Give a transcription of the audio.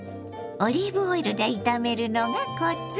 オリーブオイルで炒めるのがコツ。